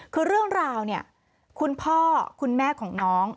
คือเรื่องราวเนี่ยคุณพ่อคุณแม่ของน้อง